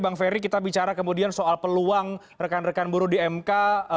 bang ferry kita bicara kemudian soal peluang rekan rekan buruh di mk